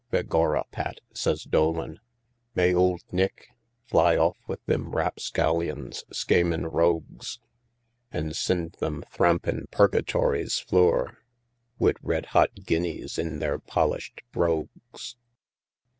"Begorra, Pat," says Dolan, "may ould Nick Fly off wid thim rapscallions, schaming rogues, An' sind thim thrampin' purgatory's flure, Wid red hot guineas in their polished brogues!"